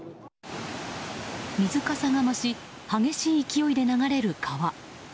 水かさが増し激しい勢いで流れる川。